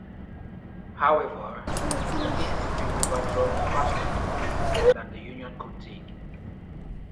However, the Mississippi River dropped faster than the Union could dig.